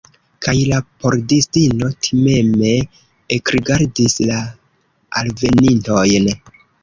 Kaj la pordistino timeme ekrigardis la alvenintojn.